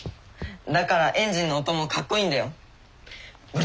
だからエンジンの音もかっこいいんだよ。